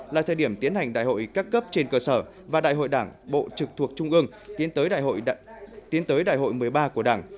là thời điểm tiến hành đại hội các cấp trên cơ sở và đại hội đảng bộ trực thuộc trung ương tiến tới đại hội một mươi ba của đảng